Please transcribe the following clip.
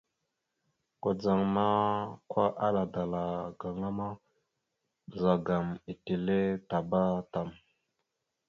Kudzaŋ ma, kwa, ala dala gaŋa ma, ɓəzagaam etelle tabá tam.